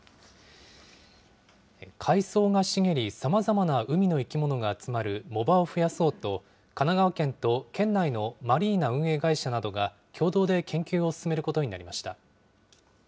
海藻が茂り、さまざまな海の生き物が集まる藻場を増やそうと、神奈川県と県内のマリーナ運営会社などが、共同で研究を進めることになりました。